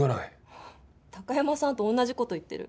ははっ貴山さんと同じこと言ってる。